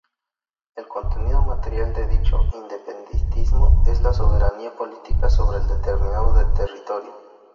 El contenido material de dicho independentismo es la soberanía política sobre determinado territorio.